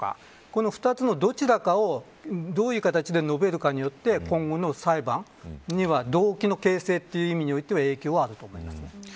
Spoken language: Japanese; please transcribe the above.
この二つのどちらかをどういう形で述べるかによって今後の裁判には、動機の形成という意味においては影響はあると思います。